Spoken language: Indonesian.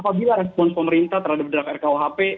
apabila respon pemerintah terhadap draft rkuhp